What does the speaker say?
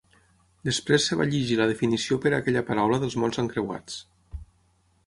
Després es va llegir la definició per aquella paraula dels mots encreuats.